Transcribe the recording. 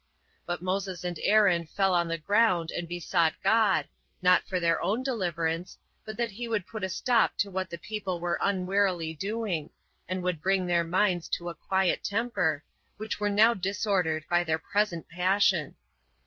But Moses and Aaron fell on the ground, and besought God, not for their own deliverance, but that he would put a stop to what the people were unwarily doing, and would bring their minds to a quiet temper, which were now disordered by their present passion.